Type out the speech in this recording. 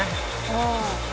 「うん」